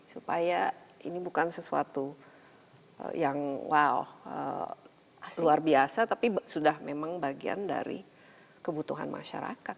supaya ini bukan sesuatu yang wow luar biasa tapi sudah memang bagian dari kebutuhan masyarakat